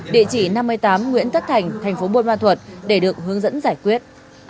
địa chỉ năm mươi tám nguyễn tất thành tp bôn ma thuật để được hướng dẫn giải quyết